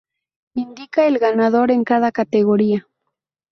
Indica el ganador en cada categoría.